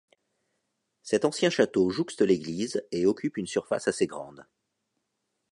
Cet ancien château jouxte l'église, et occupe une surface assez grande.